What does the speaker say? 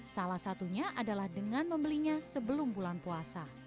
salah satunya adalah dengan membelinya sebelum bulan puasa